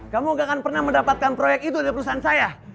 kamu gak akan pernah mendapatkan proyek itu dari perusahaan saya